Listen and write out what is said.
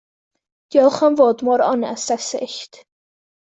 Diolch am fod mor onest Esyllt.